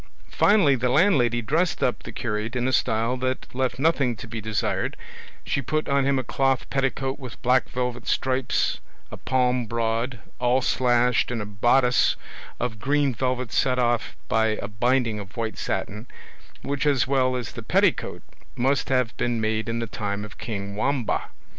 Finally the landlady dressed up the curate in a style that left nothing to be desired; she put on him a cloth petticoat with black velvet stripes a palm broad, all slashed, and a bodice of green velvet set off by a binding of white satin, which as well as the petticoat must have been made in the time of king Wamba.